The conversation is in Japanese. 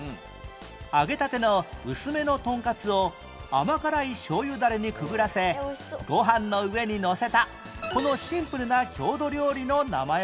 揚げたての薄めのトンカツを甘辛いしょうゆダレにくぐらせご飯の上にのせたこのシンプルな郷土料理の名前は？